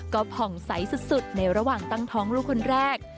ก็ผ่องใสสุดในระหว่างตั้งท้องลูกคนแรก